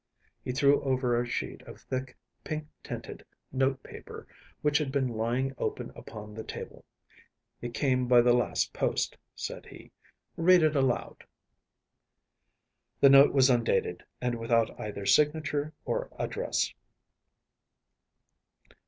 ‚ÄĚ He threw over a sheet of thick, pink tinted notepaper which had been lying open upon the table. “It came by the last post,‚ÄĚ said he. “Read it aloud.‚ÄĚ The note was undated, and without either signature or address.